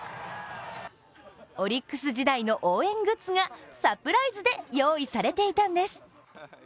オリックス時代の応援グッズがサプライズで用意されていたんです。